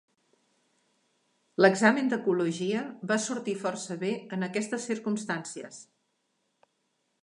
L'examen d'ecologia va sortir força bé en aquestes circumstàncies.